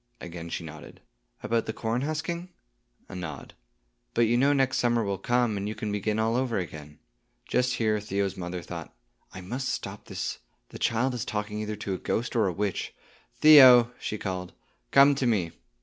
Again she nodded. "About the corn husking?" A nod. "But you know next summer will come, and you can begin all over again." Just here Theo's mother thought, "I must stop this; the child is talking either to a ghost or a witch. Theo," she called, "come to me."